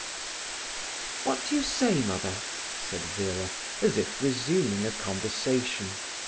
"What do you say, Mother?" said Vera, as if resuming a conversation.